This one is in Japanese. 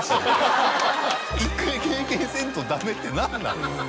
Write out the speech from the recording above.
一回経験せんとダメって何なん？